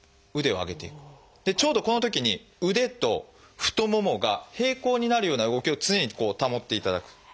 ちょうどこのときに腕と太ももが平行になるような動きを常に保っていただく。